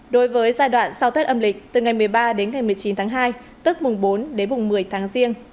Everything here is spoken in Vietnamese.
đối với giai đoạn sau tết âm lịch từ ngày một mươi ba đến ngày một mươi chín tháng hai tức mùng bốn đến mùng một mươi tháng riêng